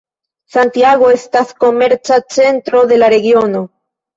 Santiago estas komerca centro de la regiono.